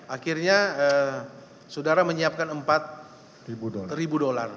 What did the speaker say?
akhirnya saudara menyiapkan empat ribu dolar